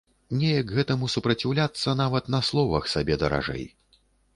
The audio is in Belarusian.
Неяк гэтаму супраціўляцца, нават на словах, сабе даражэй.